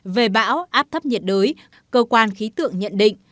về bão áp thấp nhiệt đới cơ quan khí tượng nhận định